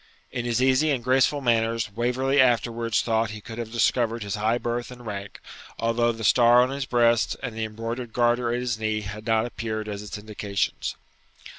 In his easy and graceful manners Waverley afterwards thought he could have discovered his high birth and rank, although the star on his breast and the embroidered garter at his knee had not appeared as its indications.